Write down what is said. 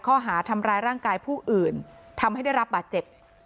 ข้อหาทำร้ายร่างกายผู้อื่นทำให้ได้รับบาดเจ็บ